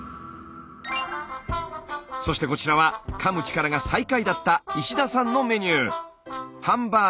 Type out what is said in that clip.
そしてこちらはかむ力が最下位だった石田さんのメニュー。